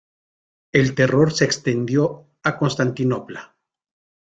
El terror se extendió a Constantinopla.